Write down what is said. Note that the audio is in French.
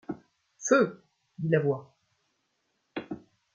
Feu ! dit la voix.